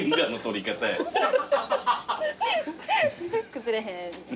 崩れへん。